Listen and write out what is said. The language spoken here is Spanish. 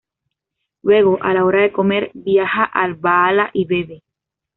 Luego, a la hora de comer, viaja al Valhalla y bebe.